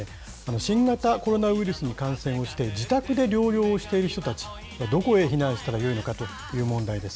新型コロナウイルスに感染をして、自宅で療養をしている人たち、どこへ避難したらよいのかという問題です。